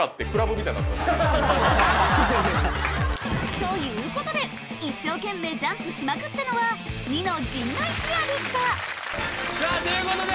ということで一生懸命ジャンプしまくったのはニノ・陣内ペアでしたということで